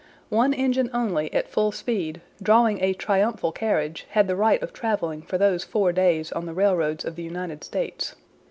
One engine only at full speed, drawing a triumphal carriage, had the right of traveling for those four days on the railroads of the United States.